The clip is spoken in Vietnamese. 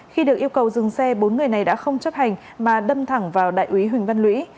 khi được yêu cầu dừng xe bốn người này đã không chấp hành mà đâm thẳng vào đại úy huỳnh văn lũy